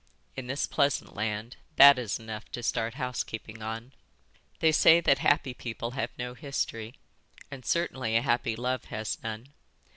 In this pleasant land that is enough to start housekeeping on." "They say that happy people have no history, and certainly a happy love has none.